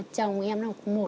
chồng em là một cái người